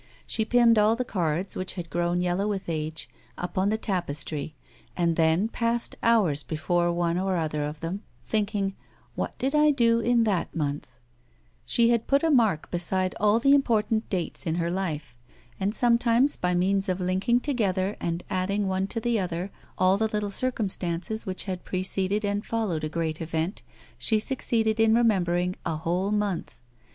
She pinned all the cards, which had grown yellow with age, up on the tapestry, and then passed hours before one or other of them, thinking, "What did I do in that month 1 " She had put a mark beside all the important dates in her life, and sometimes, by means of linking together and adding one to the other all the little circumstances which had pre ceded and followed a great event, she succeeded in remem bering a whole month.